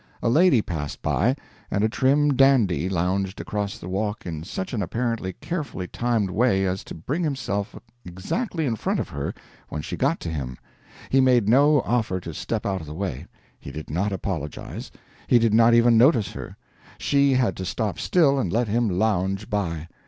A lady passed by, and a trim dandy lounged across the walk in such an apparently carefully timed way as to bring himself exactly in front of her when she got to him; he made no offer to step out of the way; he did not apologize; he did not even notice her. She had to stop still and let him lounge by.